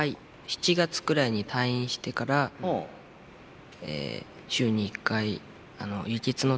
７月くらいに退院してから週に１回輸血のために入院しています。